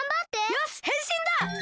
よしへんしんだ！